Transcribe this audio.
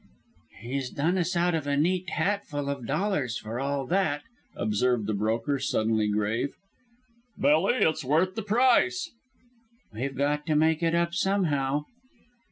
"He's done us out of a neat hatful of dollars for all that," observed the broker, suddenly grave. "Billy, it's worth the price." "We've got to make it up somehow."